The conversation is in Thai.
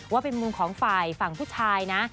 ว่าเป็นมุมของฝ่ายฝั่งผู้ชายนะ